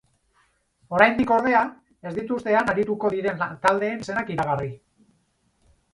Oraindik, ordea, ez dituzte han arituko diren taldeen izenak iragarri.